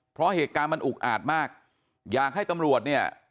เพราะเหตุการณ์มันอุกอาดมากอยากให้ตำรวจเนี่ย